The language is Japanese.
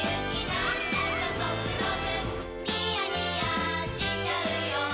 なんだかゾクゾクニヤニヤしちゃうよ